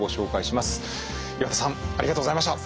岩田さんありがとうございました。